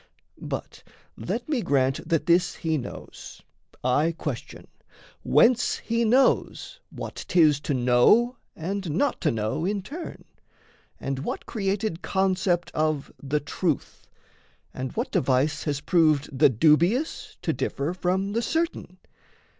But let me grant That this he knows, I question: whence he knows What 'tis to know and not to know in turn, And what created concept of the truth, And what device has proved the dubious To differ from the certain?